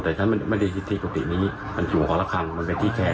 แต่ฉันไม่ได้ฮิคทิปถิ่นี้มันอยู่หอละครั้งมันไปที่แชบ